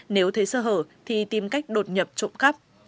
nếu thấy sơ hở thì tìm cách đột nhập trộm cắp